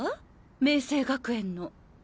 明青学園の。